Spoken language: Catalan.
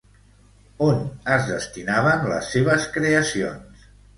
On es destinaven les seves creacions?